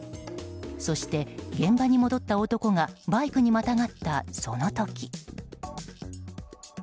そして、現場に戻った男がバイクにまたがったその時。